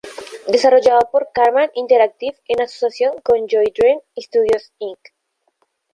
Desarrollado por Karman Interactive en asociación con Joey Drew Studios Inc.